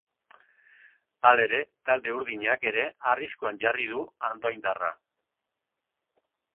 Halere, talde urdinak ere arriskuan jarri du andoaindarra.